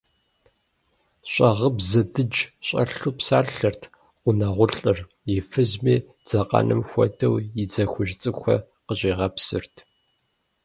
Щӏагъыбзэ дыдж щӏэлъу псалъэрт гъунэгъулӏыр, и фызми дзакъэнум хуэдэу и дзэ хужь цӏыкӏухэр къыщӏигъэпсырт.